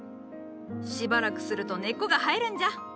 しばらくすると根っこが生えるんじゃ。